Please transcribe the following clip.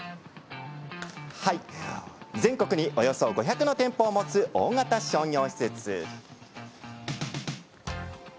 全国におよそ５００の店舗を持つ大型商業施設。